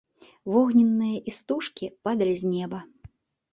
Вогненныя істужкі падалі з неба.